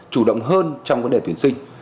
chủ động hơn trong vấn đề tuyển sinh